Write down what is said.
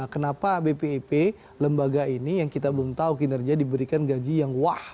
kenapa bpip lembaga ini yang kita belum tahu kinerja diberikan gaji yang wah